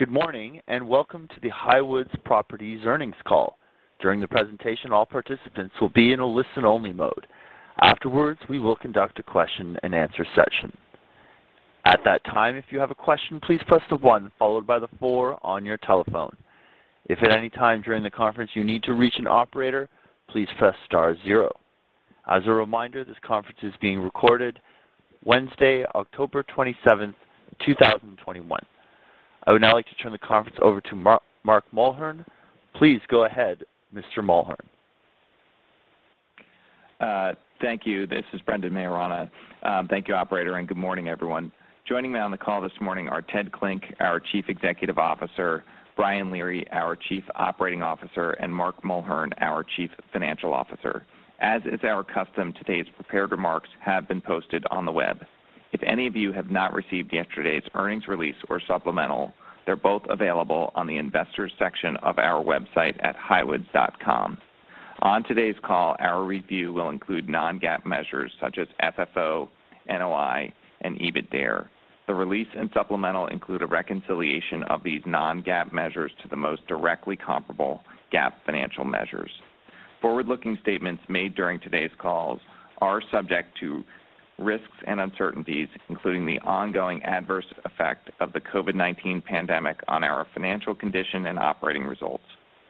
Good morning, and welcome to the Highwoods Properties Earnings Call. During the presentation, all participants will be in a listen-only mode. Afterwards, we will conduct a question-and-answer session. At that time, if you have a question, please press one followed by four on your telephone. If at any time during the conference you need to reach an operator, please press star zero. As a reminder, this conference is being recorded Wednesday, October 27, 2021. I would now like to turn the conference over to Mark Mulhern. Please go ahead, Mr. Mulhern. Thank you. This is Brendan Maiorana. Thank you, operator and good morning everyone. Joining me on the call this morning are Ted Klinck, our Chief Executive Officer, Brian Leary, our Chief Operating Officer and Mark Mulhern, our Chief Financial Officer. As is our custom, today's prepared remarks have been posted on the web. If any of you have not received yesterday's earnings release or supplemental, they're both available on the Investors section of our website at highwoods.com. On today's call, our review will include non-GAAP measures such as FFO, NOI, and EBITDARE. The release and supplemental include a reconciliation of these non-GAAP measures to the most directly comparable GAAP financial measures. Forward-looking statements made during today's calls are subject to risks and uncertainties, including the ongoing adverse effect of the COVID-19 pandemic on our financial condition and operating results.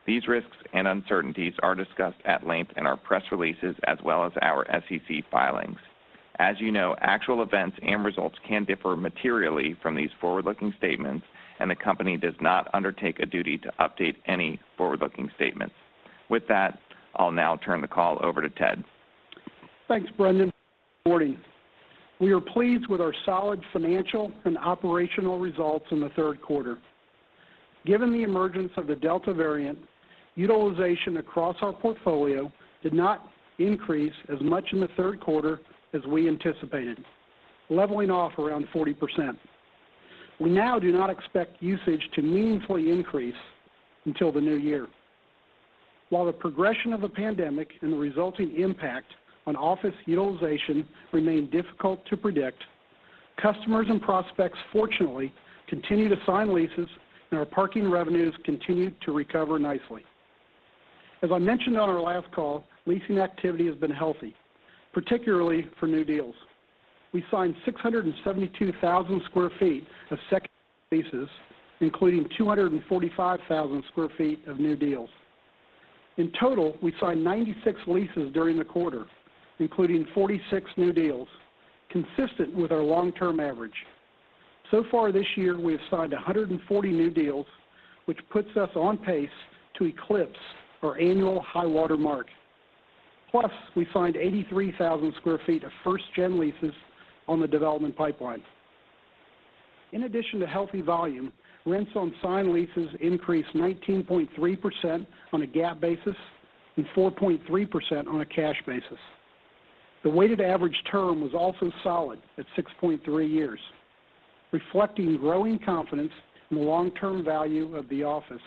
These risks and uncertainties are discussed at length in our press releases as well as our SEC filings. As you know, actual events and results can differ materially from these forward-looking statements and the company does not undertake a duty to update any forward-looking statements. With that, I'll now turn the call over to Ted. Thanks, Brendan. Good morning. We are pleased with our solid financial and operational results in the third quarter. Given the emergence of the Delta variant, utilization across our portfolio did not increase as much in the third quarter as we anticipated, leveling off around 40%. We now do not expect usage to meaningfully increase until the new year. While the progression of the pandemic and the resulting impact on office utilization remain difficult to predict, customers and prospects fortunately continue to sign leases and our parking revenues continue to recover nicely. As I mentioned on our last call, leasing activity has been healthy, particularly for new deals. We signed 672,000 sq ft of second leases, including 245,000 sq ft of new deals. In total, we signed 96 leases during the quarter, including 46 new deals, consistent with our long-term average. So far this year, we have signed 140 new deals which puts us on pace to eclipse our annual high water mark. Plus, we signed 83,000 sq ft of first gen leases on the development pipeline. In addition to healthy volume, rents on signed leases increased 19.3% on a GAAP basis and 4.3% on a cash basis. The weighted average term was also solid at 6.3 years, reflecting growing confidence in the long-term value of the office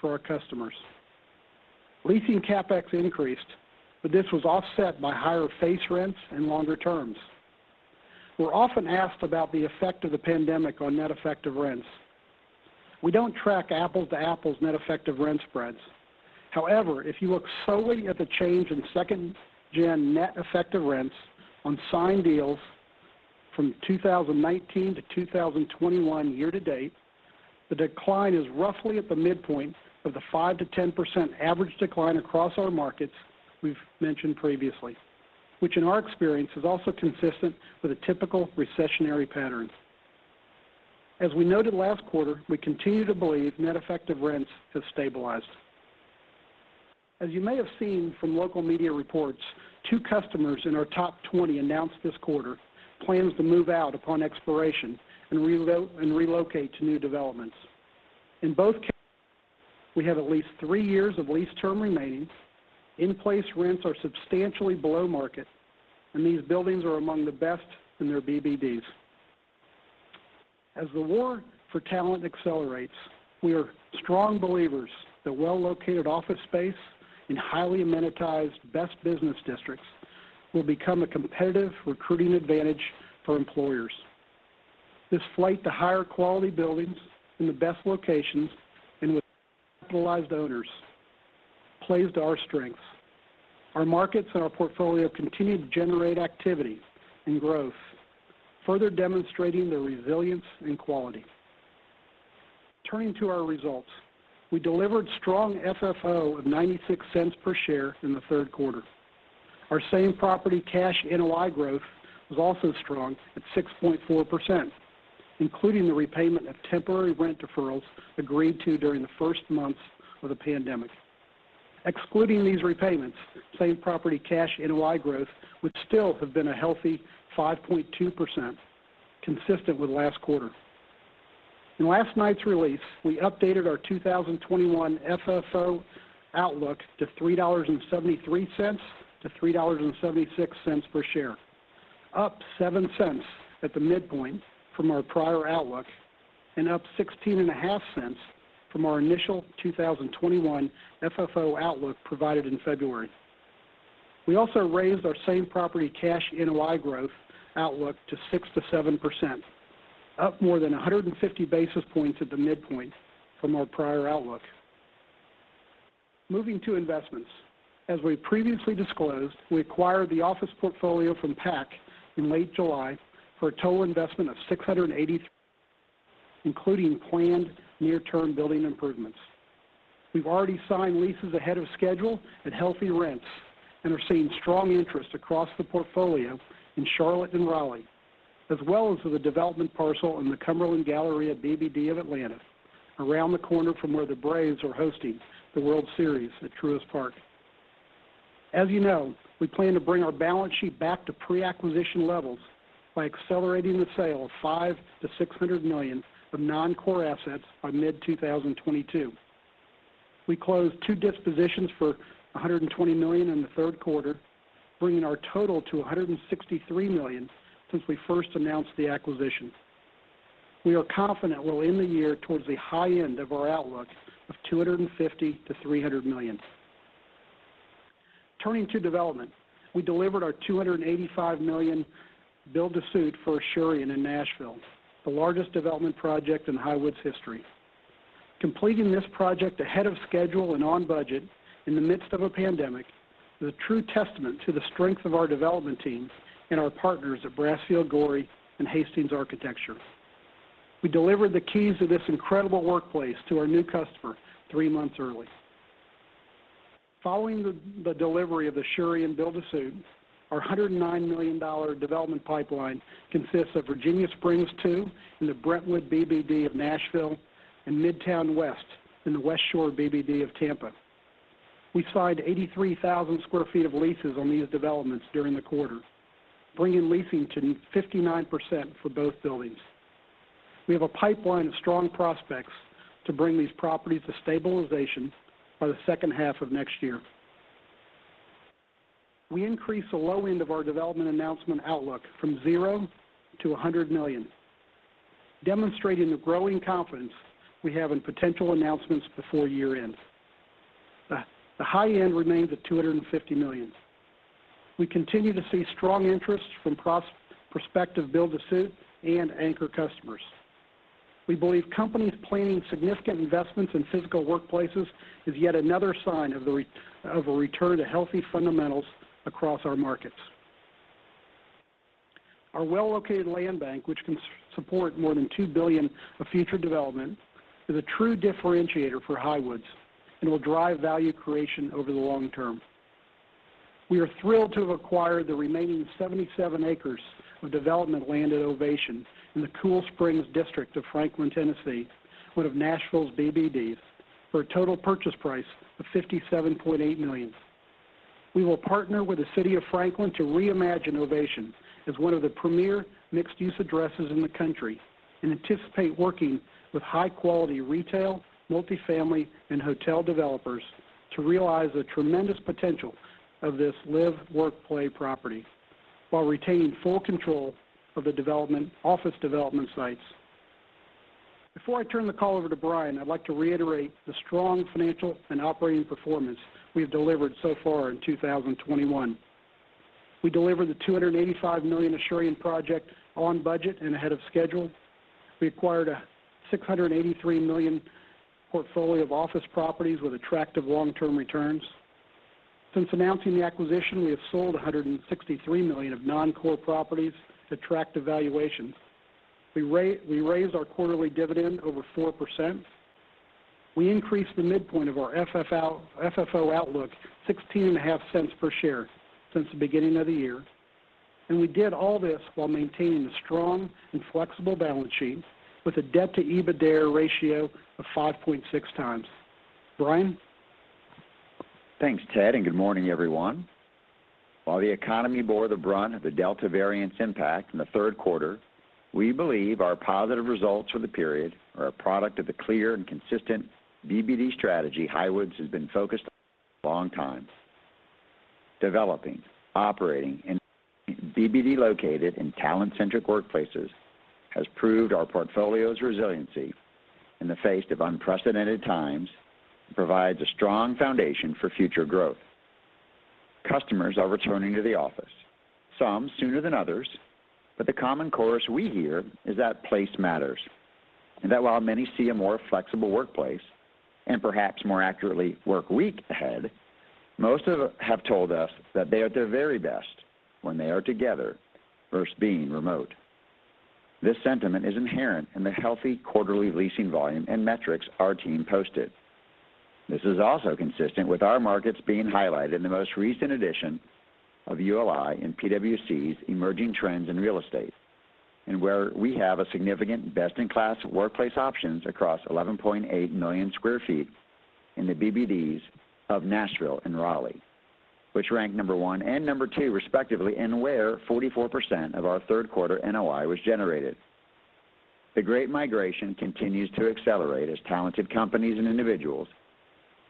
for our customers. Leasing CapEx increased but this was offset by higher face rents and longer terms. We're often asked about the effect of the pandemic on net effective rents. We don't track apples to apples net effective rent spreads. However, if you look solely at the change in second gen net effective rents on signed deals from 2019 to 2021 year to date, the decline is roughly at the midpoint of the 5%-10% average decline across our markets we've mentioned previously which in our experience is also consistent with a typical recessionary pattern. As we noted last quarter, we continue to believe net effective rents have stabilized. As you may have seen from local media reports, two customers in our top 20 announced this quarter plans to move out upon expiration and relocate to new developments. In both cases, we have at least three years of lease term remaining. In-place rents are substantially below market and these buildings are among the best in their BBDs. As the war for talent accelerates, we are strong believers that well-located office space in highly amenitized best business districts will become a competitive recruiting advantage for employers. This flight to higher quality buildings in the best locations and with capitalized owners plays to our strengths. Our markets and our portfolio continue to generate activity and growth, further demonstrating their resilience and quality. Turning to our results, we delivered strong FFO of $0.96 per share in the third quarter. Our same property cash NOI growth was also strong at 6.4%, including the repayment of temporary rent deferrals agreed to during the first months of the pandemic. Excluding these repayments, same property cash NOI growth would still have been a healthy 5.2%, consistent with last quarter. In last night's release, we updated our 2021 FFO outlook to $3.73-$3.76 per share, up $0.07 At the midpoint from our prior outlook and up $16.50 From our initial 2021 FFO outlook provided in February. We also raised our same property cash NOI growth outlook to 6%-7%, up more than 150 basis points at the midpoint from our prior outlook. Moving to investments. As we previously disclosed, we acquired the office portfolio from PAC in late July for a total investment of $680 including planned near-term building improvements. We've already signed leases ahead of schedule at healthy rents and are seeing strong interest across the portfolio in Charlotte and Raleigh, as well as for the development parcel in the Cumberland Galleria BBD of Atlanta, around the corner from where the Braves are hosting the World Series at Truist Park. As you know, we plan to bring our balance sheet back to pre-acquisition levels by accelerating the sale of $500 million-$600 million of non-core assets by mid-2022. We closed two dispositions for $120 million in the third quarter, bringing our total to $163 million since we first announced the acquisitions. We are confident we'll end the year towards the high end of our outlook of $250 million-$300 million. Turning to development. We delivered our $285 million build to suit for Asurion in Nashville, the largest development project in Highwoods history. Completing this project ahead of schedule and on budget in the midst of a pandemic is a true testament to the strength of our development teams and our partners at Brasfield & Gorrie and HASTINGS Architecture. We delivered the keys of this incredible workplace to our new customer three months early. Following the delivery of Asurion build to suit, our $109 million development pipeline consists of Virginia Springs II in the Brentwood BBD of Nashville and Midtown West in the Westshore BBD of Tampa. We signed 83,000 sq ft of leases on these developments during the quarter, bringing leasing to 59% for both buildings. We have a pipeline of strong prospects to bring these properties to stabilization by the second half of next year. We increased the low end of our development announcement outlook from $0-$100 million, demonstrating the growing confidence we have in potential announcements before year end. The high end remains at $250 million. We continue to see strong interest from prospective build to suit and anchor customers. We believe companies planning significant investments in physical workplaces is yet another sign of a return to healthy fundamentals across our markets. Our well-located land bank, which can support more than $2 billion of future development is a true differentiator for Highwoods and will drive value creation over the long term. We are thrilled to have acquired the remaining 77 acres of development land at Ovation in the Cool Springs district of Franklin, Tennessee, one of Nashville's BBDs, for a total purchase price of $57.8 million. We will partner with the City of Franklin to reimagine ovation as one of the premier mixed-use addresses in the country and anticipate working with high quality retail, multi-family and hotel developers to realize the tremendous potential of this live, work, play property while retaining full control of the development, office development sites. Before I turn the call over to Brian, I'd like to reiterate the strong financial and operating performance we've delivered so far in 2021. We delivered the $285 million Asurion project on budget and ahead of schedule. We acquired a $683 million portfolio of office properties with attractive long-term returns. Since announcing the acquisition, we have sold $163 million of non-core properties at accretive valuations. We raised our quarterly dividend over 4%. We increased the midpoint of our FFO outlook $0.165 per share since the beginning of the year. We did all this while maintaining a strong and flexible balance sheet with a debt to EBITDA ratio of 5.6x. Brian. Thanks, Ted and good morning, everyone. While the economy bore the brunt of the Delta variant's impact in the third quarter, we believe our positive results for the period are a product of the clear and consistent BBD strategy Highwoods has been focused on for a long time. Developing, operating and BBD located in talent-centric workplaces has proved our portfolio's resiliency in the face of unprecedented times and provides a strong foundation for future growth. Customers are returning to the office, some sooner than others but the common chorus we hear is that place matters and that while many see a more flexible workplace and perhaps more accurately work week ahead, most have told us that they are at their very best when they are together versus being remote. This sentiment is inherent in the healthy quarterly leasing volume and metrics our team posted. This is also consistent with our markets being highlighted in the most recent edition of ULI and PwC's Emerging Trends in Real Estate and where we have a significant best in class workplace options across 11.8 million sq ft in the BBDs of Nashville and Raleigh which ranked number one and number two respectively and where 44% of our third quarter NOI was generated. The great migration continues to accelerate as talented companies and individuals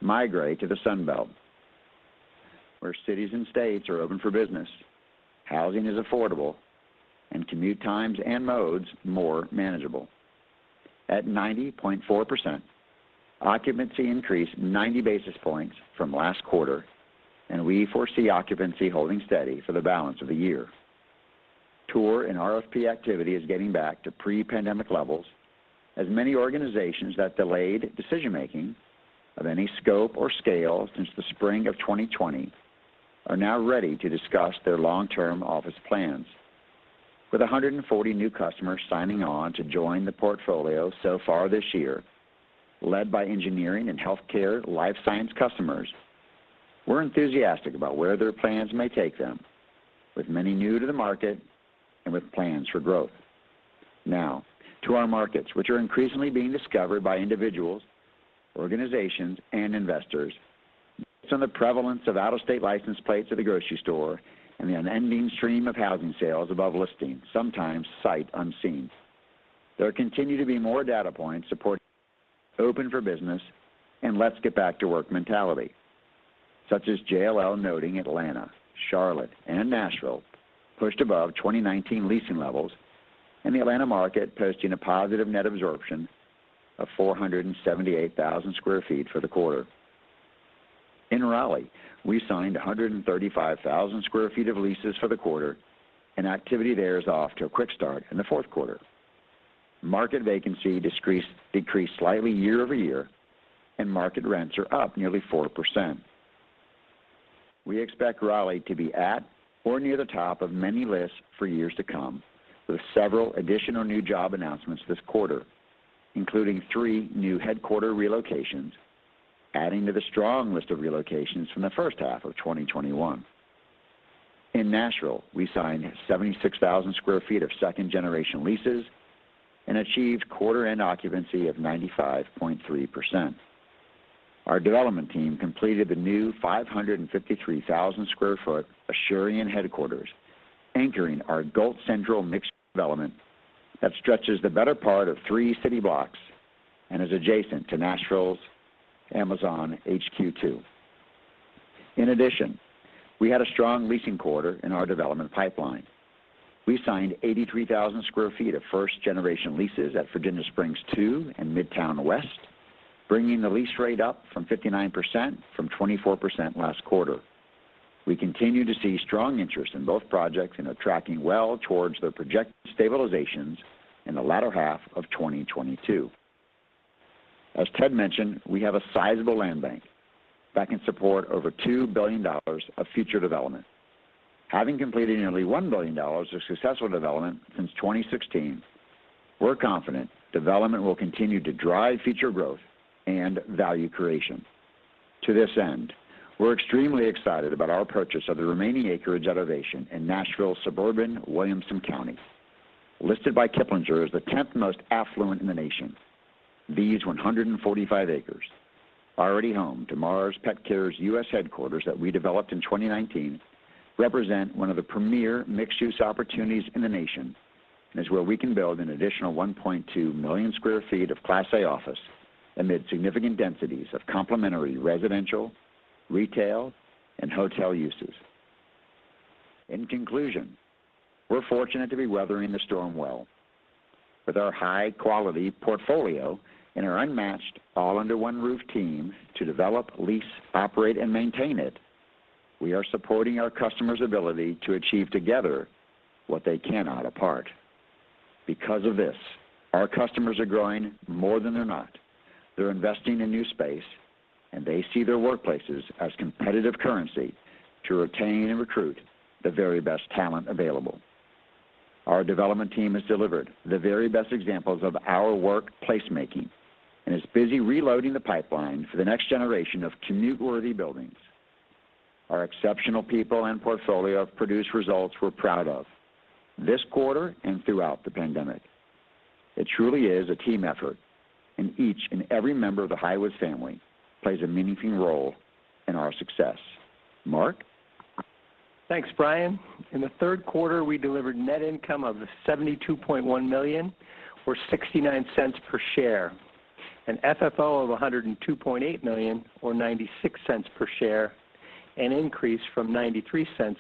migrate to the Sun Belt where cities and states are open for business, housing is affordable and commute times and modes more manageable. At 90.4%, occupancy increased 90 basis points from last quarter and we foresee occupancy holding steady for the balance of the year. Tour and RFP activity is getting back to pre-pandemic levels as many organizations that delayed decision-making of any scope or scale since the spring of 2020 are now ready to discuss their long-term office plans. With 140 new customers signing on to join the portfolio so far this year, led by engineering and healthcare life science customers, we're enthusiastic about where their plans may take them with many new to the market and with plans for growth. Now to our markets which are increasingly being discovered by individuals, organizations and investors based on the prevalence of out-of-state license plates at the grocery store and the unending stream of housing sales above listing, sometimes sight unseen. There continue to be more data points supporting open for business and let's get back to work mentality, such as JLL noting Atlanta, Charlotte and Nashville pushed above 2019 leasing levels and the Atlanta market posting a positive net absorption of 478,000 sq ft for the quarter. In Raleigh, we signed 135,000 sq ft of leases for the quarter and activity there is off to a quick start in the fourth quarter. Market vacancy decreased slightly year-over-year, and market rents are up nearly 4%. We expect Raleigh to be at or near the top of many lists for years to come with several additional new job announcements this quarter, including three new headquarters relocations, adding to the strong list of relocations from the first half of 2021. In Nashville, we signed 76,000 sq ft of second-generation leases and achieved quarter-end occupancy of 95.3%. Our development team completed the new 553,000 sq ft Asurion headquarters anchoring our Gulch Central mixed-use development that stretches the better part of three city blocks and is adjacent to Nashville's Amazon HQ2. We had a strong leasing quarter in our development pipeline. We signed 83,000 sq ft of first-generation leases at Virginia Springs II and Midtown West, bringing the lease rate up to 59% from 24% last quarter. We continue to see strong interest in both projects and are tracking well towards their projected stabilizations in the latter half of 2022. Ted mentioned we have a sizable land bank that can support over $2 billion of future development. Having completed nearly $1 billion of successful development since 2016, we're confident development will continue to drive future growth and value creation. To this end, we're extremely excited about our purchase of the remaining acreage at Ovation in Nashville's suburban Williamson County, listed by Kiplinger as the 10th most affluent in the nation. These 145 acres are already home to Mars Petcare's U.S. headquarters that we developed in 2019, represent one of the premier mixed-use opportunities in the nation and is where we can build an additional 1.2 million sq ft of class A office amid significant densities of complementary residential, retail and hotel uses. In conclusion, we're fortunate to be weathering the storm well. With our high-quality portfolio and our unmatched all-under-one-roof team to develop, lease, operate and maintain it, we are supporting our customers' ability to achieve together what they cannot apart. Because of this, our customers are growing more than they're not. They're investing in new space and they see their workplaces as competitive currency to retain and recruit the very best talent available. Our development team has delivered the very best examples of our workplace placemaking and is busy reloading the pipeline for the next generation of commute-worthy buildings. Our exceptional people and portfolio have produced results we're proud of this quarter and throughout the pandemic. It truly is a team effort and each and every member of the Highwoods family plays a meaningful role in our success. Mark. Thanks, Brian. In the third quarter, we delivered net income of $72.1 million or $0.69 per share, an FFO of $102.8 million or $0.96 per share, an increase from $0.93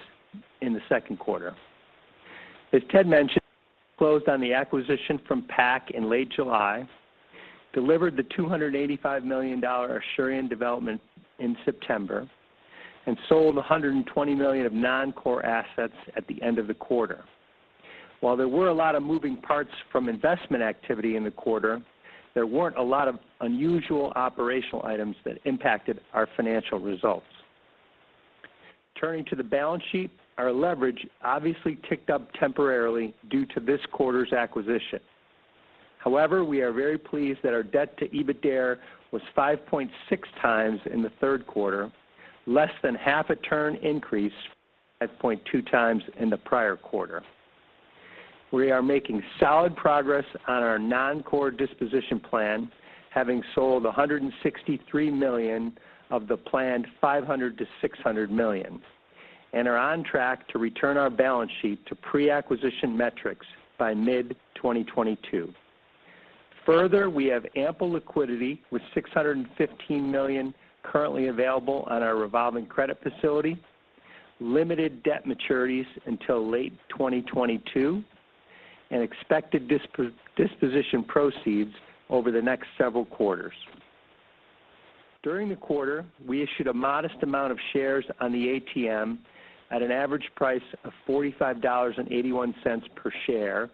in the second quarter. As Ted mentioned, we closed on the acquisition from PAC in late July, delivered the $285 million Asurion development in September and sold $120 million of non-core assets at the end of the quarter. While there were a lot of moving parts from investment activity in the quarter, there weren't a lot of unusual operational items that impacted our financial results. Turning to the balance sheet, our leverage obviously ticked up temporarily due to this quarter's acquisition. However, we are very pleased that our debt to EBITDA was 5.6x in the third quarter, less than half a turn increase at 0.2x in the prior quarter. We are making solid progress on our non-core disposition plan, having sold $163 million of the planned $500 million-$600 million, and are on track to return our balance sheet to pre-acquisition metrics by mid-2022. Further, we have ample liquidity with $615 million currently available on our revolving credit facility, limited debt maturities until late 2022 and expected disposition proceeds over the next several quarters. During the quarter, we issued a modest amount of shares on the ATM at an average price of $45.81 per share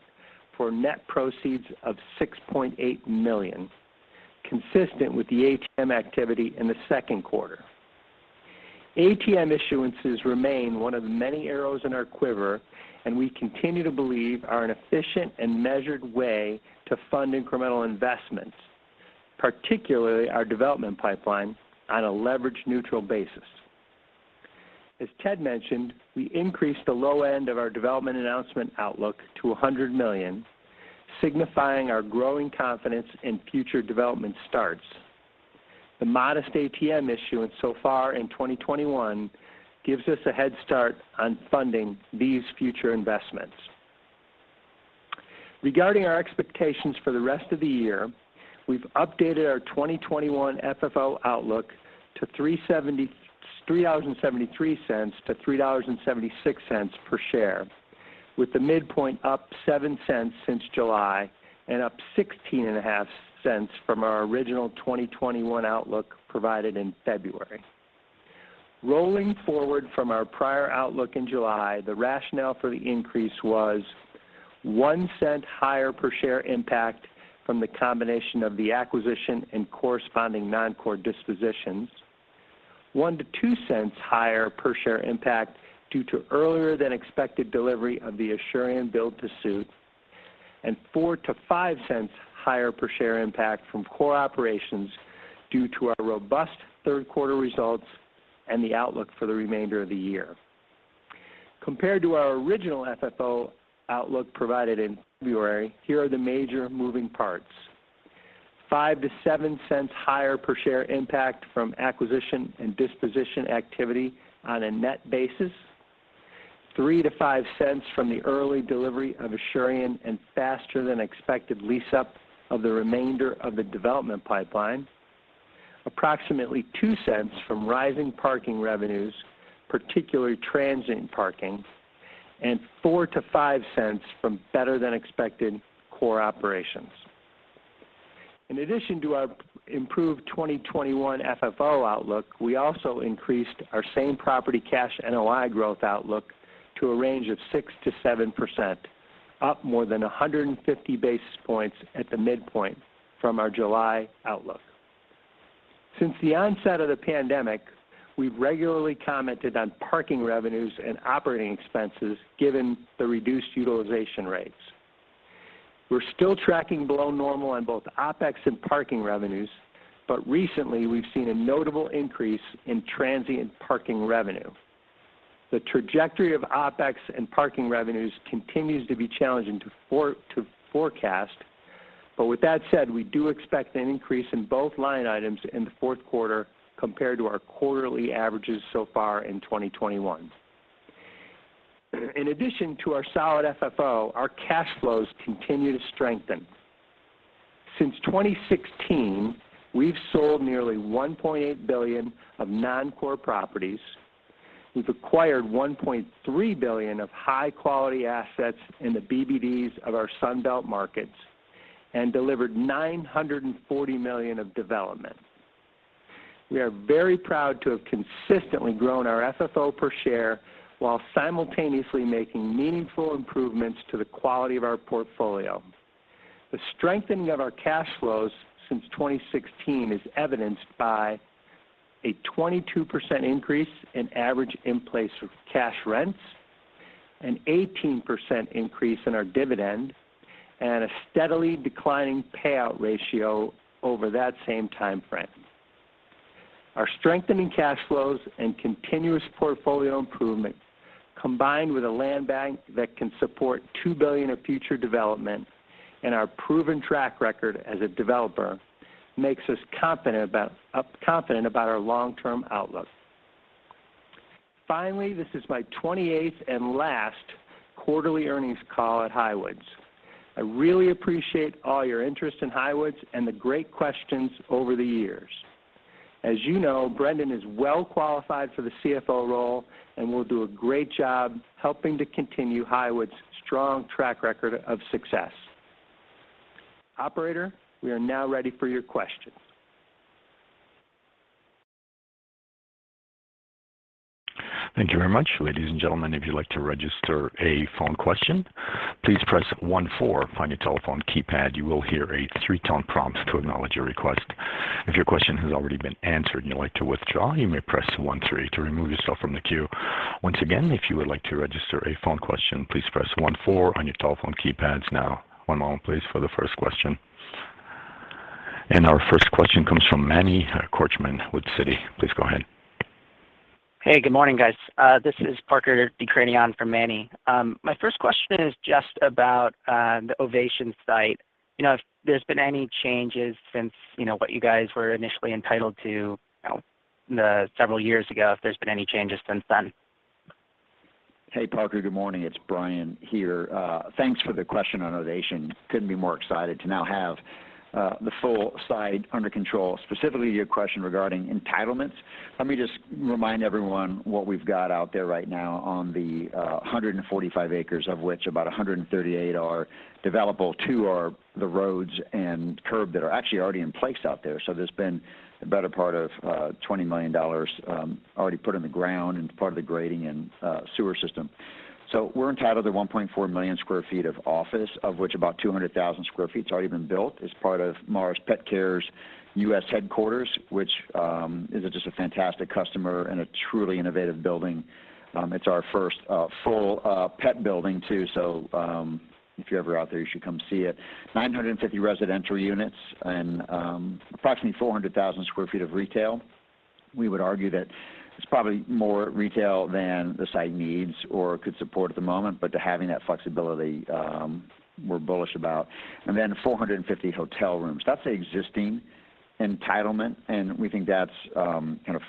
for net proceeds of $6.8 million, consistent with the ATM activity in the second quarter. ATM issuances remain one of many arrows in our quiver and we continue to believe are an efficient and measured way to fund incremental investments, particularly our development pipeline on a leverage neutral basis. As Ted mentioned, we increased the low end of our development announcement outlook to $100 million, signifying our growing confidence in future development starts. The modest ATM issuance so far in 2021 gives us a head start on funding these future investments. Regarding our expectations for the rest of the year, we've updated our 2021 FFO outlook to $3.73-$3.76 per share, with the midpoint up $0.07 Since July and up $0.165 cents from our original 2021 outlook provided in February. Rolling forward from our prior outlook in July, the rationale for the increase was $0.01 higher per share impact from the combination of the acquisition and corresponding non-core dispositions. $0.01-$0.02 higher per share impact due to earlier than expected delivery of the Asurion build to suit and $0.04-$0.05 higher per share impact from core operations due to our robust third quarter results and the outlook for the remainder of the year. Compared to our original FFO outlook provided in February, here are the major moving parts. $0.05-$0.07 higher per share impact from acquisition and disposition activity on a net basis. $0.03-$0.05 from the early delivery of Asurion and faster than expected lease up of the remainder of the development pipeline. Approximately $0.02 from rising parking revenues, particularly transient parking and $0.04-$0.05 from better than expected core operations. In addition to our improved 2021 FFO outlook, we also increased our same property cash NOI growth outlook to a range of 6%-7%, up more than 150 basis points at the midpoint from our July outlook. Since the onset of the pandemic, we've regularly commented on parking revenues and operating expenses given the reduced utilization rates. We're still tracking below normal on both OpEx and parking revenues but recently we've seen a notable increase in transient parking revenue. The trajectory of OpEx and parking revenues continues to be challenging to forecast. With that said, we do expect an increase in both line items in the fourth quarter compared to our quarterly averages so far in 2021. In addition to our solid FFO, our cash flows continue to strengthen. Since 2016, we've sold nearly $1.8 billion of non-core properties. We've acquired $1.3 billion of high quality assets in the BBDs of our Sun Belt markets and delivered $940 million of development. We are very proud to have consistently grown our FFO per share while simultaneously making meaningful improvements to the quality of our portfolio. The strengthening of our cash flows since 2016 is evidenced by a 22% increase in average in place of cash rents, an 18% increase in our dividend and a steadily declining payout ratio over that same time frame. Our strengthening cash flows and continuous portfolio improvements, combined with a land bank that can support $2 billion of future development and our proven track record as a developer makes us confident about our long term outlook. Finally, this is my 28th and last quarterly earnings call at Highwoods. I really appreciate all your interest in Highwoods and the great questions over the years. As you know, Brendan is well qualified for the CFO role and will do a great job helping to continue Highwoods' strong track record of success. Operator, we are now ready for your questions. Thank you very much. Ladies and gentlemen, if you'd like to register a phone question, please press one four on your telephone keypad. You will hear a three-tone prompt to acknowledge your request. If your question has already been answered and you'd like to withdraw, you may press one three to remove yourself from the queue. Once again, if you would like to register a phone question, please press one four on your telephone keypads now. One moment please for the first question. Our first question comes from Manny Korchman with Citi. Please go ahead. Hey, good morning, guys. This is Parker Dekranian for Manny. My first question is just about the Ovation site. You know, if there's been any changes since, you know, what you guys were initially entitled to, you know, the several years ago, if there's been any changes since then. Hey, Parker. Good morning. It's Brian here. Thanks for the question on Ovation. Couldn't be more excited to now have the full site under control, specifically to your question regarding entitlements. Let me just remind everyone what we've got out there right now on the 145 acres, of which about 138 are developable. Two are the roads and curb that are actually already in place out there. So there's been the better part of $20 million already put in the ground into part of the grading and sewer system. So we're entitled to 1.4 million sq ft of office, of which about 200,000 sq ft's already been built as part of Mars Petcare's U.S. headquarters which is just a fantastic customer and a truly innovative building. It's our first full pet building too. If you're ever out there, you should come see it. 950 residential units and approximately 400,000 sq ft of retail. We would argue that it's probably more retail than the site needs or could support at the moment but to having that flexibility, we're bullish about. Then 450 hotel rooms. That's a existing entitlement and we think that's kind of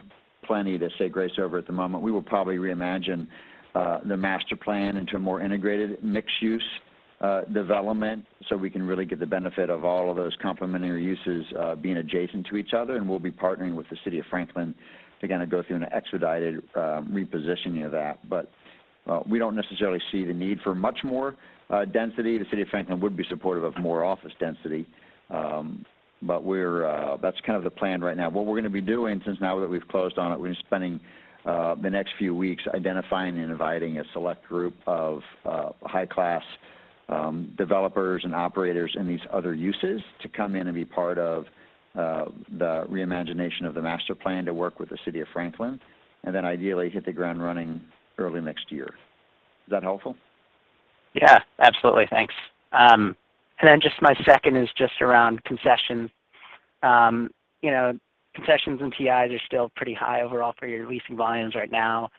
plenty to say grace over at the moment. We will probably reimagine the master plan into a more integrated mixed-use development, so we can really get the benefit of all of those complementary uses being adjacent to each other. We'll be partnering with the city of Franklin to kind of go through an expedited repositioning of that. We don't necessarily see the need for much more density. The city of Franklin would be supportive of more office density. We're That's kind of the plan right now. What we're gonna be doing since now that we've closed on it, we're gonna be spending the next few weeks identifying and inviting a select group of high-class developers and operators in these other uses to come in and be part of the reimagination of the master plan to work with the city of Franklin, and then ideally hit the ground running early next year. Is that helpful? Yeah. Absolutely. Thanks. And then just my second is just around concessions. You know, concessions and TIs are still pretty high overall for your leasing volumes right now.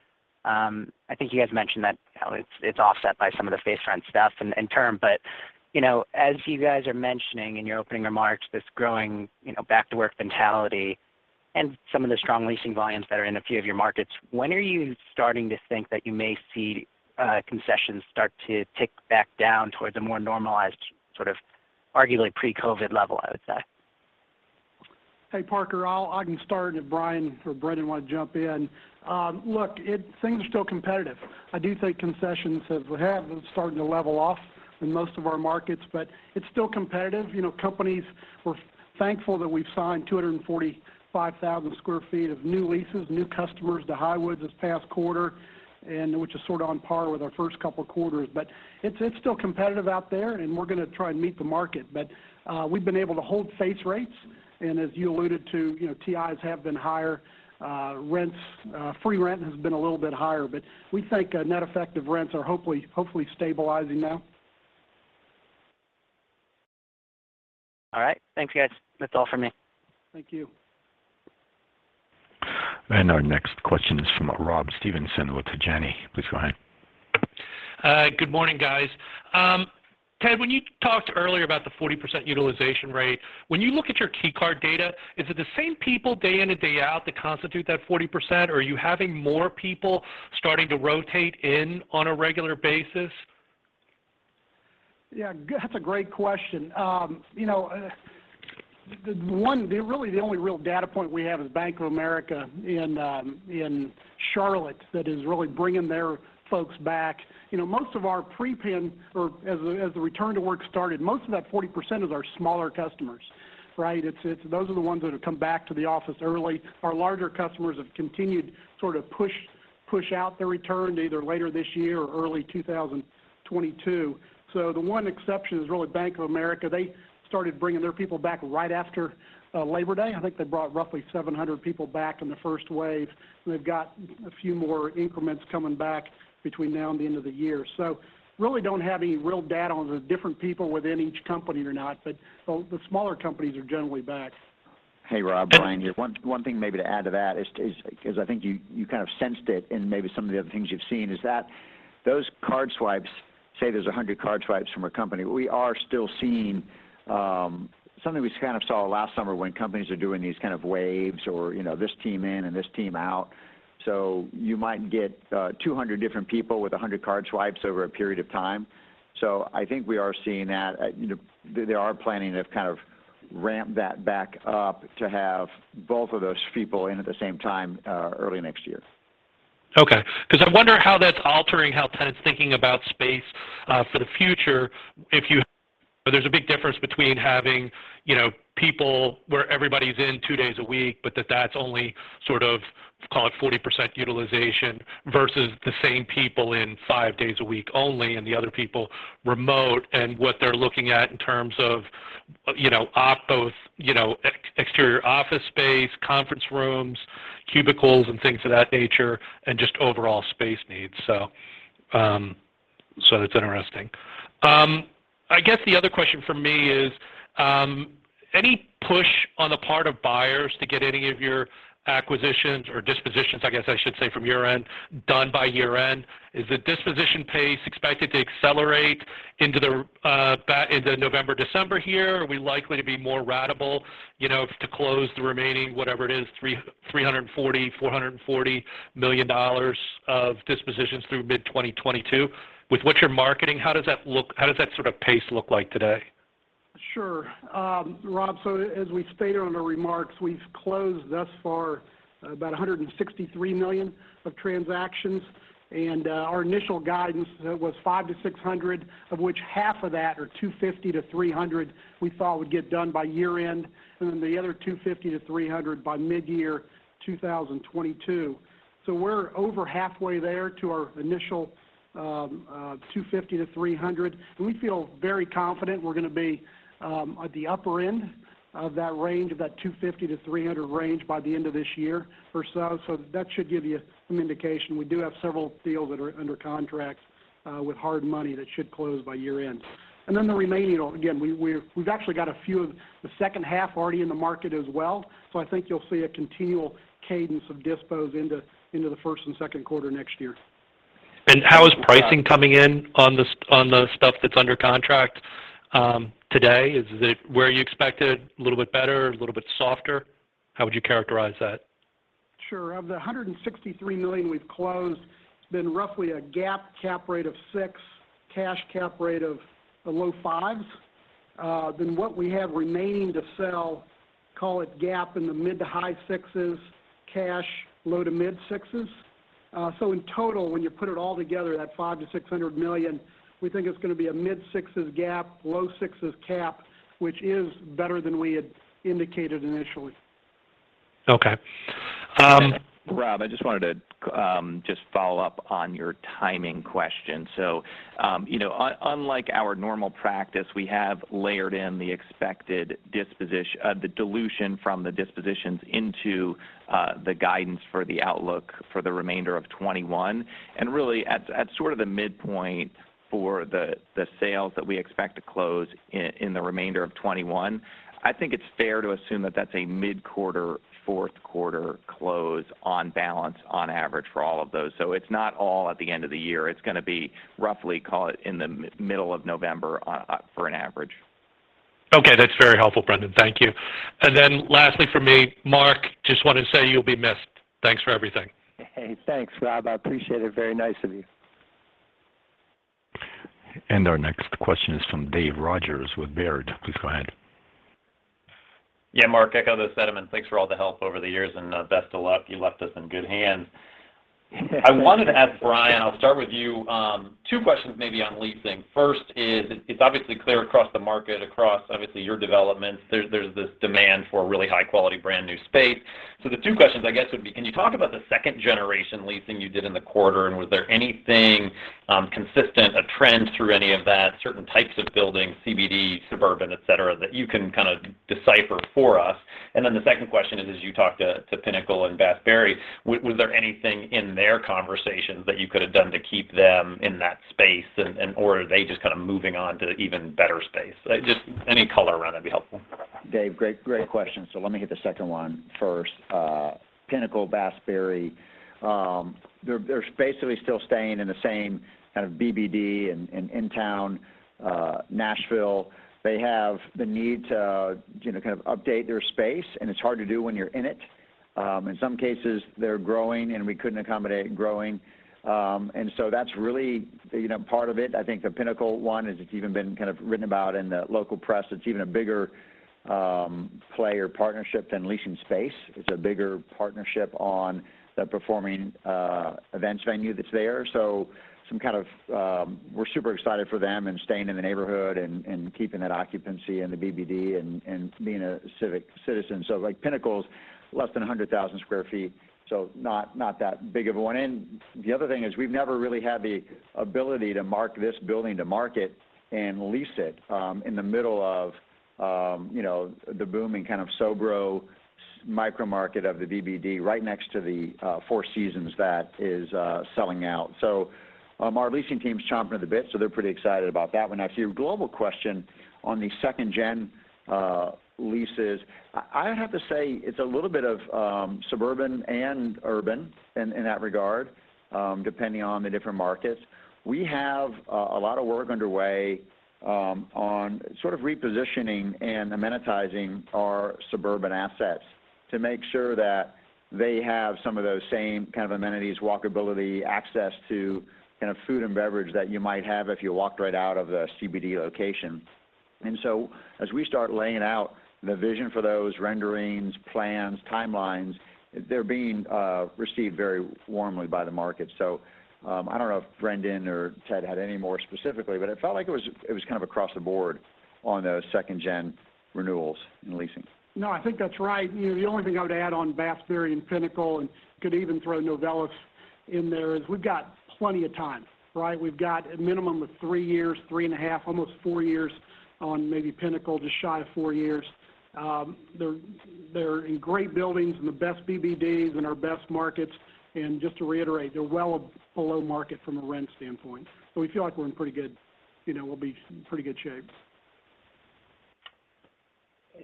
I think you guys mentioned that, how it's offset by some of the base rent stuff and in turn. You know, as you guys are mentioning in your opening remarks, this growing, you know, back to work mentality and some of the strong leasing volumes that are in a few of your markets, when are you starting to think that you may see concessions start to tick back down towards a more normalized, sort of, arguably pre-COVID level, I would say? Hey, Parker. I can start and if Brian or Brendan want to jump in. Look, things are still competitive. I do think concessions have been starting to level off in most of our markets but it's still competitive. You know, companies. We're thankful that we've signed 245,000 sq ft of new leases, new customers to Highwoods this past quarter, and which is sort of on par with our first couple of quarters. It's still competitive out there and we're gonna try and meet the market. We've been able to hold base rates and as you alluded to, you know, TIs have been higher. Rents, free rent has been a little bit higher. We think net effective rents are hopefully stabilizing now. All right. Thanks, guys. That's all for me. Thank you. Our next question is from Rob Stevenson with Janney. Please go ahead. Good morning, guys. Ted, when you talked earlier about the 40% utilization rate, when you look at your key card data, is it the same people day in and day out that constitute that 40% or are you having more people starting to rotate in on a regular basis? Yeah, that's a great question. You know, the really, the only real data point we have is Bank of America in Charlotte that is really bringing their folks back. You know, most of our pre-pand or as the return to work started, most of that 40% is our smaller customers, right? It's those are the ones that have come back to the office early. Our larger customers have continued sort of push out their return to either later this year or early 2022. The one exception is really Bank of America. They started bringing their people back right after Labor Day. I think they brought roughly 700 people back in the first wave. They've got a few more increments coming back between now and the end of the year. Really don't have any real data on the different people within each company or not but the smaller companies are generally back. Hey, Rob. Brian here. One thing maybe to add to that is because, I think, you kind of sensed it in maybe some of the other things you've seen is that those card swipes, say there's 100 card swipes from a company, we are still seeing something we kind of saw last summer when companies are doing these kind of waves or, you know, this team in and this team out. So you might get 200 different people with 100 card swipes over a period of time. So I think we are seeing that. You know, they are planning to kind of ramp that back up to have both of those people in at the same time early next year. Okay. Because I wonder how that's altering how tenants thinking about space, for the future. There's a big difference between having, you know, people where everybody's in two days a week but that's only sort of, call it 40% utilization, versus the same people in five days a week only and the other people remote and what they're looking at in terms of, you know, both, you know, exterior office space, conference rooms, cubicles and things of that nature and just overall space needs. That's interesting. I guess the other question from me is, any push on the part of buyers to get any of your acquisitions or dispositions, I guess I should say from your end, done by year-end? Is the disposition pace expected to accelerate into November, December here? Are we likely to be more ratable, you know, to close the remaining, whatever it is, $340-$440 million of dispositions through mid-2022? With what you're marketing, how does that sort of pace look like today? Sure. Rob, as we stated on the remarks, we've closed thus far about $163 million of transactions. Our initial guidance was $500-$600 of which half of that or $250-$300 we thought would get done by year-end and then the other $250-$300 by mid-2022. We're over halfway there to our initial $250-$300. We feel very confident we're gonna be at the upper end of that range of that $250-$300 range by the end of this year or so. That should give you some indication. We do have several deals that are under contracts with hard money that should close by year-end. The remaining, again, we've actually got a few of the second half already in the market as well. I think you'll see a continual cadence of dispositions into the first and second quarter next year. How is pricing coming in on the stuff that's under contract, today? Is it where you expected, a little bit better, a little bit softer? How would you characterize that? Sure. Of the $163 million we've closed, it's been roughly a GAAP cap rate of 6%, cash cap rate of the low 5s. What we have remaining to sell, call it GAAP in the mid- to high-6s, cash, low- to mid-6s. In total, when you put it all together, that $500-$600 million, we think it's gonna be a mid-6s GAAP, low-6s cap, which is better than we had indicated initially. Okay. Rob, I just wanted to just follow up on your timing question. You know, unlike our normal practice, we have layered in the expected dilution from the dispositions into the guidance for the outlook for the remainder of 2021. Really at sort of the midpoint for the sales that we expect to close in the remainder of 2021, I think it's fair to assume that that's a mid-quarter, fourth quarter close on balance on average for all of those. It's not all at the end of the year. It's gonna be roughly, call it, in the middle of November on for an average. Okay. That's very helpful, Brendan. Thank you. Lastly for me, I just want to say you'll be missed. Thanks for everything. Hey, thanks, Rob. I appreciate it. Very nice of you. Our next question is from Dave Rodgers with Baird. Please go ahead. Yeah, Mark, echo those sentiments. Thanks for all the help over the years and best of luck. You left us in good hands. I wanted to ask Brian. I'll start with you, two questions maybe on leasing. First is it's obviously clear across the market, across obviously your developments, there's this demand for really high quality brand new space. So the two questions I guess would be, can you talk about the second generation leasing you did in the quarter and was there anything consistent, a trend through any of that, certain types of buildings, CBD, suburban, et cetera, that you can kind of decipher for us? The second question is, as you talked to Pinnacle and Bass Berry, was there anything in their conversations that you could have done to keep them in that space and or are they just kind of moving on to even better space? Just any color around that'd be helpful. Dave, great question. Let me hit the second one first. Pinnacle Bass Berry, they're basically still staying in the same kind of BBD in town, Nashville. They have the need to, you know, kind of update their space, and it's hard to do when you're in it. In some cases they're growing and we couldn't accommodate growing. That's really, you know, part of it. I think the Pinnacle one is it's even been kind of written about in the local press. It's even a bigger play or partnership than leasing space. It's a bigger partnership on the performing events venue that's there. We're super excited for them and staying in the neighborhood and keeping that occupancy in the BBD and being a civic citizen. Like, Pinnacle's less than 100,000 sq ft, so not that big of a one. The other thing is we've never really had the ability to mark this building to market and lease it in the middle of, you know, the booming kind of SoBro micro market of the BBD right next to the four seasons that is selling out. Our leasing team's chomping at the bit so they're pretty excited about that one. Now, to your global question on the second gen leases, I'd have to say it's a little bit of suburban and urban in that regard depending on the different markets. We have a lot of work underway on sort of repositioning and amenitizing our suburban assets to make sure that they have some of those same kind of amenities, walkability, access to kind of food and beverage that you might have if you walked right out of a CBD location. As we start laying out the vision for those renderings, plans, timelines, they're being received very warmly by the market. I don't know if Brendan or Ted had any more specifically but it felt like it was kind of across the board on those second gen renewals and leasing. No, I think that's right. You know, the only thing I would add on Bass, Berry and Pinnacle, and could even throw Novelis in there, is we've got plenty of time, right? We've got a minimum of three years, three and a half, almost four years on maybe Pinnacle, just shy of four years. They're in great buildings in the best CBDs in our best markets. Just to reiterate, they're well below market from a rent standpoint so we feel like we're in pretty good, you know, we'll be in pretty good shape.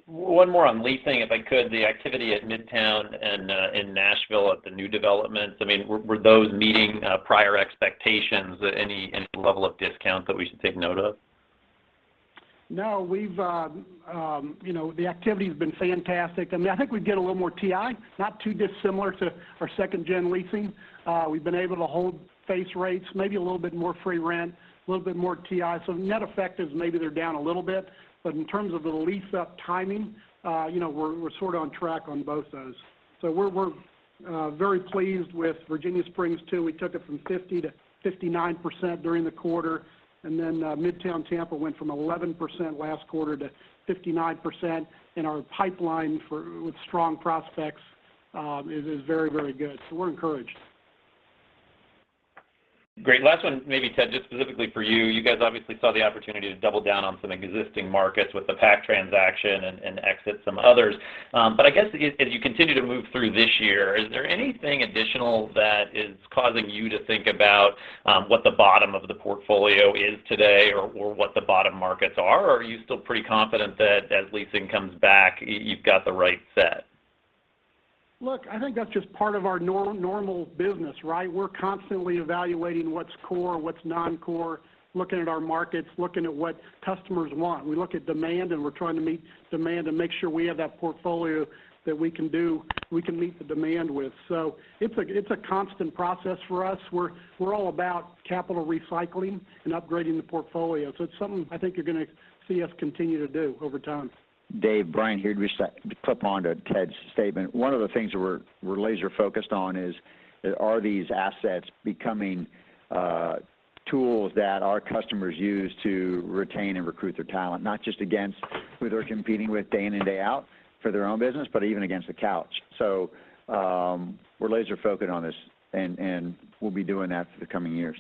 One more on leasing, if I could. The activity at Midtown and in Nashville at the new developments, I mean, were those meeting prior expectations? Any level of discounts that we should take note of? No, we've, you know, the activity's been fantastic. I mean, I think we get a little more TI, not too dissimilar to our second-gen leasing. We've been able to hold face rates, maybe a little bit more free rent, a little bit more TI. Net effect is maybe they're down a little bit but in terms of the lease-up timing, you know, we are on sort of track on both of those. We're very pleased with Virginia Springs too. We took it from 50%-59% during the quarter and then Midtown Tampa went from 11% last quarter to 59% in our pipeline with strong prospects, is very, very good. We're encouraged. Great. Last one, maybe Ted, just specifically for you. You guys obviously saw the opportunity to double down on some existing markets with the PAC transaction and exit some others. I guess as you continue to move through this year, is there anything additional that is causing you to think about what the bottom of the portfolio is today or what the bottom markets are? Or are you still pretty confident that as leasing comes back, you've got the right set? Look, I think that's just part of our normal business, right? We're constantly evaluating what's core, what's non-core, looking at our markets, looking at what customers want. We look at demand and we're trying to meet demand and make sure we have that portfolio that we can do, we can meet the demand with. It's a constant process for us. We're all about capital recycling and upgrading the portfolio. It's something I think you're gonna see us continue to do over time. Dave, Brian here, just to clip onto Ted's statement. One of the things we're laser focused on is whether these assets are becoming tools that our customers use to retain and recruit their talent, not just against who they're competing with day in and day out for their own business but even against the couch. We're laser focused on this and we'll be doing that for the coming years.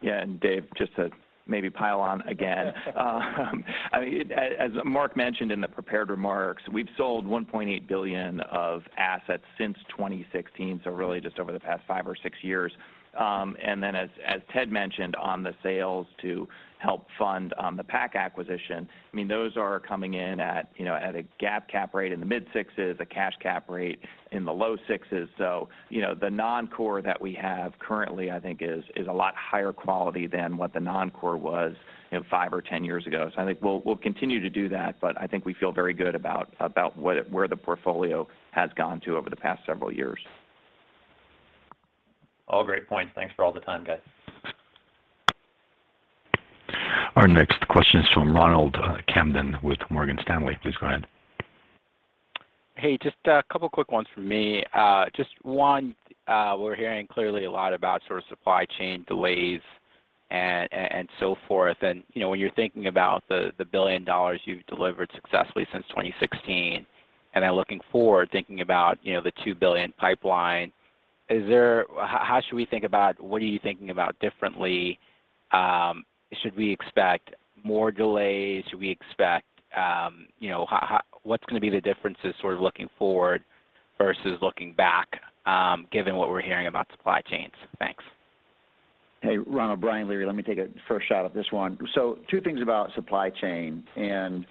Yeah. Dave, just to maybe pile on again. I mean, as Mark mentioned in the prepared remarks, we've sold $1.8 billion of assets since 2016 so really just over the past five or six years. Then as Ted mentioned on the sales to help fund the PAC acquisition, I mean, those are coming in at, you know, at a GAAP cap rate in the mid-6s%, a cash cap rate in the low-6s. You know, the non-core that we have currently, I think, is a lot higher quality than what the non-core was, you know, five or 10 years ago. I think we'll continue to do that but I think we feel very good about where the portfolio has gone to over the past several years. All great points. Thanks for all the time, guys. Our next question is from Ronald Kamdem with Morgan Stanley. Please go ahead. Hey, just a couple quick ones from me. Just one, we're hearing clearly a lot about sort of supply chain delays and so forth. You know, when you're thinking about the $1 billion you've delivered successfully since 2016 and then looking forward thinking about, you know, the $2 billion pipeline, is there. How should we think about what are you thinking about differently? Should we expect more delays? Should we expect, you know, what's gonna be the differences sort of looking forward versus looking back, given what we're hearing about supply chains? Thanks. Hey, Ronald. Brian Leary. Let me take a first shot at this one. Two things about supply chain and,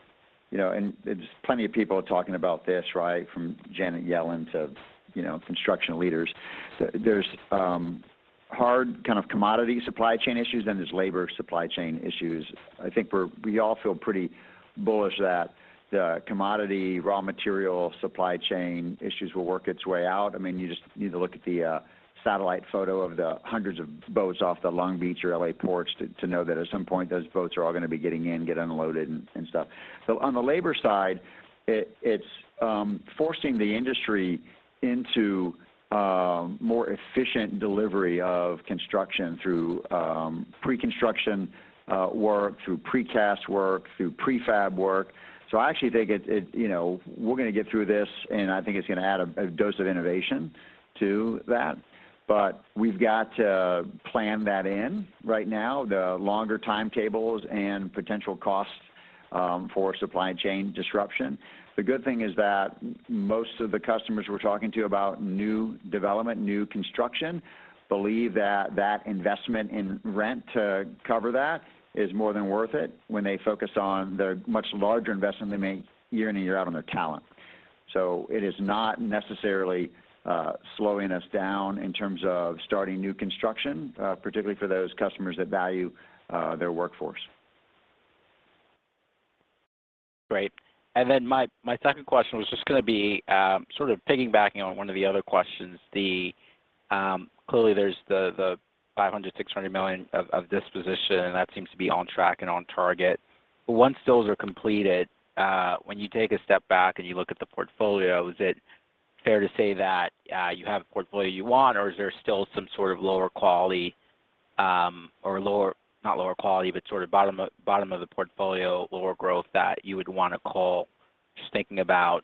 you know, and there's plenty of people talking about this, right, from Janet Yellen to, you know, construction leaders. There's hard kind of commodity supply chain issues, then there's labor supply chain issues. I think we all feel pretty bullish that the commodity raw material supply chain issues will work its way out. I mean, you just need to look at the satellite photo of the hundreds of boats off the Long Beach or L.A. ports to know that at some point, those boats are all gonna be getting in, get unloaded and stuff. On the labor side, it's forcing the industry into more efficient delivery of construction through pre-construction work, through pre-cast work, through prefab work. I actually think it, you know, we're gonna get through this and I think it's gonna add a dose of innovation to that but we've got to plan that in right now, the longer timetables and potential costs for supply chain disruption. The good thing is that most of the customers we're talking to about new development, new construction, believe that that investment in rent to cover that is more than worth it when they focus on the much larger investment they make year in and year out on their talent. It is not necessarily slowing us down in terms of starting new construction, particularly for those customers that value their workforce. Great. Then my second question was just gonna be, sort of piggybacking on one of the other questions. Clearly, there's the $500-$600 million of disposition, and that seems to be on track and on target. Once those are completed, when you take a step back and you look at the portfolio, is it fair to say that you have the portfolio you want or is there still some sort of lower quality, but sort of bottom of the portfolio, lower growth that you would wanna cull just thinking about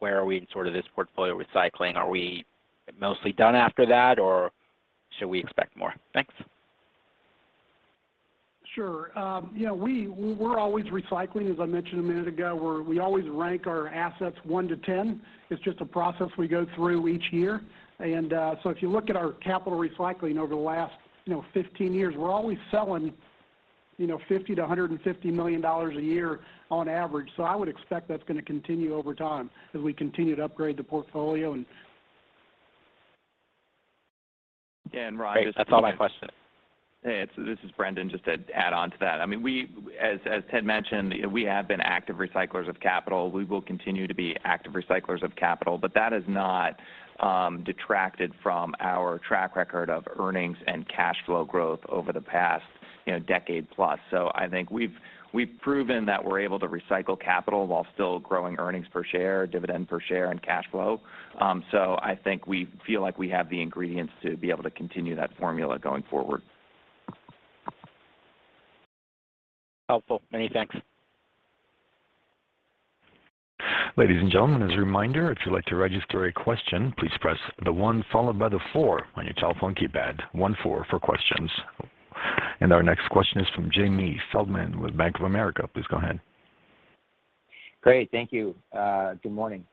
where are we in sort of this portfolio recycling? Are we mostly done after that or should we expect more? Thanks. Sure. You know, we're always recycling, as I mentioned a minute ago. We always rank our assets 1-10. It's just a process we go through each year. If you look at our capital recycling over the last 15 years, we're always selling, you know, $50 million-$150 million a year on average. I would expect that's gonna continue over time as we continue to upgrade the portfolio and Yeah, Rod. That's all my questions. Hey, this is Brendan, just to add on to that. I mean, as Ted mentioned, we have been active recyclers of capital. We will continue to be active recyclers of capital but that has not detracted from our track record of earnings and cash flow growth over the past, you know, decade plus. I think we've proven that we're able to recycle capital while still growing earnings per share, dividend per share and cash flow. I think we feel like we have the ingredients to be able to continue that formula going forward. Helpful. Many thanks. Ladies and gentlemen, as a reminder, if you'd like to register a question, please press the one followed by the four on your telephone keypad, one-four for questions. Our next question is from Jamie Feldman with Bank of America. Please go ahead. Great. Thank you. Good morning.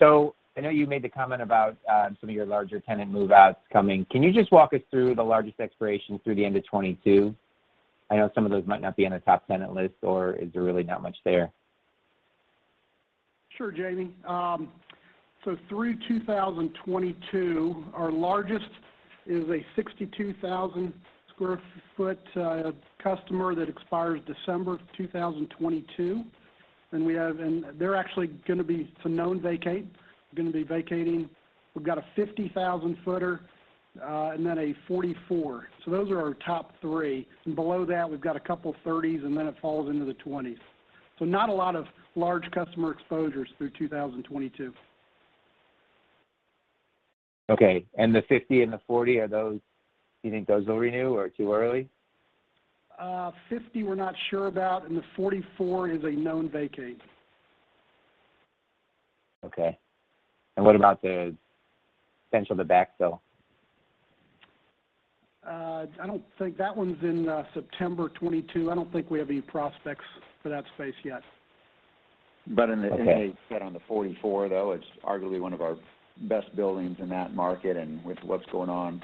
I know you made the comment about some of your larger tenant move-outs coming. Can you just walk us through the largest expirations through the end of 2022? I know some of those might not be on the top tenant list or is there really not much there? Sure, Jamie. Through 2022, our largest is a 62,000 sq ft customer that expires December 2022. There are actually gonna be some known vacates gonna be vacating. We've got a 50,000 footer and then a 44. Those are our top three. Below that we've got a couple 30s, and then it falls into the 20s. Not a lot of large customer exposures through 2022. Okay. The 50 and the 40, are those? Do you think those will renew or too early? 50 we're not sure about and the 44 is a known vacate. Okay. What about the potential to backfill? That one's in September 2022. I don't think we have any prospects for that space yet. But in the- Okay. In a set on the 44, though, it's arguably one of our best buildings in that market. With what's going on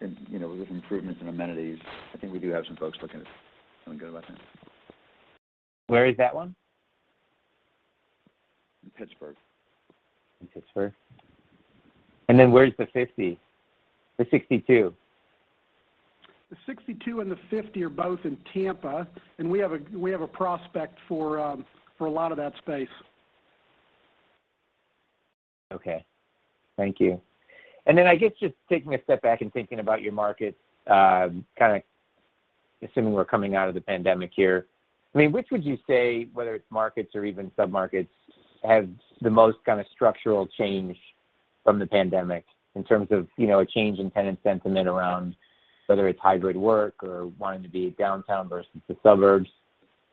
in, you know, with improvements in amenities, I think we do have some folks looking at something good about that. Where is that one? In Pittsburgh. In Pittsburgh. Where is the 50? The 62? The 62 and the 50 are both in Tampa and we have a prospect for a lot of that space. Okay. Thank you. I guess just taking a step back and thinking about your markets, kind of assuming we're coming out of the pandemic here, I mean, which would you say, whether it's markets or even sub-markets have the most kind of structural change from the pandemic in terms of, you know, a change in tenant sentiment around whether it's hybrid work or wanting to be downtown versus the suburbs?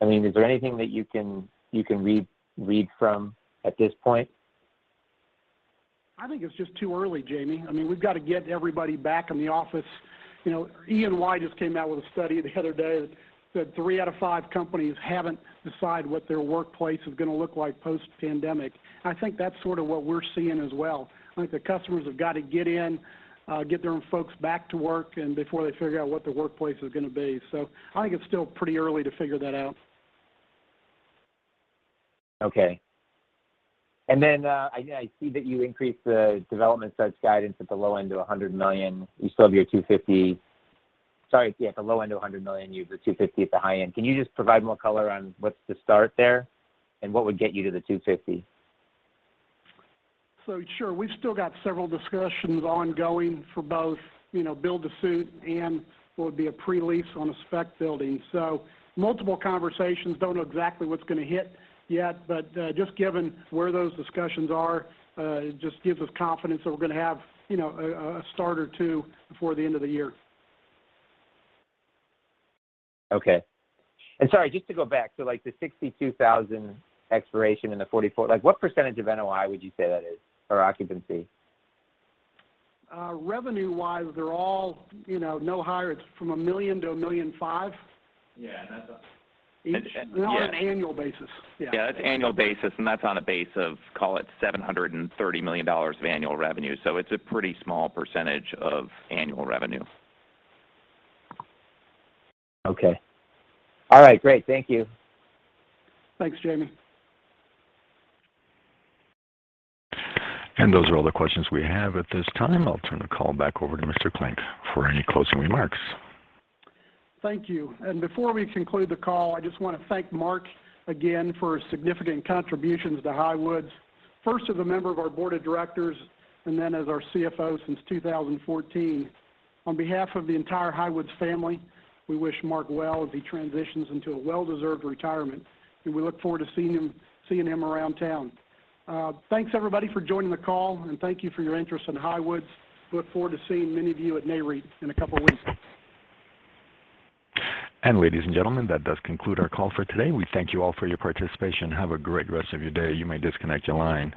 I mean, is there anything that you can read from at this point? I think it's just too early, Jamie. I mean, we've got to get everybody back in the office. You know, EY just came out with a study the other day that said three out of five companies haven't decided what their workplace is gonna look like post-pandemic. I think that's sort of what we're seeing as well. I think the customers have got to get in, get their own folks back to work and before they figure out what their workplace is gonna be. I think it's still pretty early to figure that out. Okay. I see that you increased the development guidance at the low end to $100 million. You have the $250 million at the high end. Can you just provide more color on what's the start there and what would get you to the $250 million? Sure. We've still got several discussions ongoing for both, you know, build to suit and what would be a pre-lease on a spec building. Multiple conversations. Don't know exactly what's gonna hit yet. Just given where those discussions are, it just gives us confidence that we're gonna have, you know, a start or two before the end of the year. Okay. Sorry, just to go back. Like the 62,000 expiration and the 44, like what percentage of NOI would you say that is or occupancy? Revenue-wise, they're all, you know, not higher. It's $1 million-$1.5 million. Yeah. Each. Yeah. On an annual basis. Yeah. Yeah, that's on an annual basis and that's on a base of, call it $730 million of annual revenue. It's a pretty small percentage of annual revenue. Okay. All right. Great. Thank you. Thanks, Jamie. Those are all the questions we have at this time. I'll turn the call back over to Mr. Klinck for any closing remarks. Thank you. Before we conclude the call, I just wanna thank Mark again for his significant contributions to Highwoods, first as a member of our board of directors and then as our CFO since 2014. On behalf of the entire Highwoods family, we wish Mark well as he transitions into a well-deserved retirement, and we look forward to seeing him around town. Thanks everybody for joining the call and thank you for your interest in Highwoods. We look forward to seeing many of you at Nareit in a couple of weeks. Ladies and gentlemen, that does conclude our call for today. We thank you all for your participation. Have a great rest of your day. You may disconnect your line.